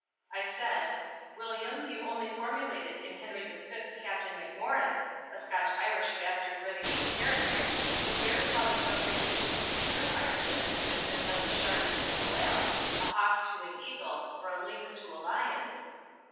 I said, "William, you only formulated in Henry the Fifth Captain MacMorris, a Scotch Irish bastard renegade character, who bears about as much relation to a true Irish gentleman as does a shark to a whale, a hawk to an eagle, or a lynx to a lion."